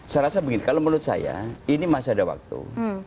saya rasa begini kalau menurut saya ini masih ada waktu